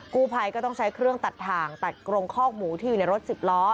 กู้ภัยก็ต้องใช้เครื่องตัดถ่างตัดกรงคอกหมูที่อยู่ในรถสิบล้อ